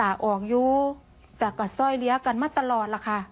โดยก็สต้อยปริยากันมาตลอดละค่ะ